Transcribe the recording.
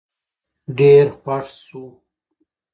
ډېر خوښ شو